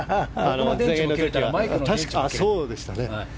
そうでしたね。